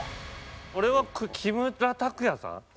俺は木村拓哉さん。